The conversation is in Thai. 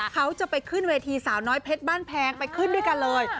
เขาจะไปขึ้นเวทีสาวน้อยเพชรบ้านแพงไปขึ้นด้วยกันเลย